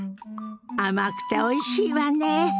甘くておいしいわね。